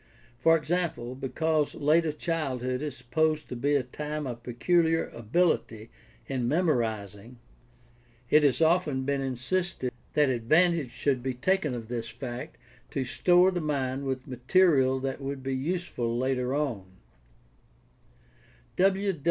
For example, because later childhood is supposed to be a time of peculiar ability in memorizing, it has often been insisted that advantage should be taken of this 650 GUIDE TO STUDY OF CHRISTIAN RELIGION fact to ''store the mind" with material that would be useful later on.